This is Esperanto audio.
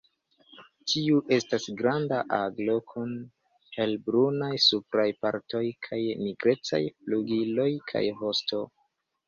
Tiu estas granda aglo kun helbrunaj supraj partoj kaj nigrecaj flugiloj kaj vosto.